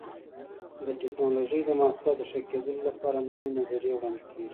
د ټېکنالوجۍ د محصولاتو د ښه کېدلو لپاره نوې نظریې وړاندې کېږي.